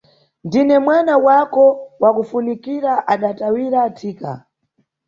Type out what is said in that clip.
Ndine mwana wako wakufunikira adatawira thika.